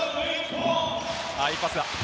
いいパスだ。